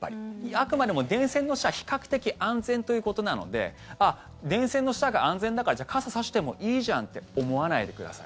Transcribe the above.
あくまでも電線の下は比較的安全ということなので電線の下が安全だからじゃあ傘差してもいいじゃんって思わないでください。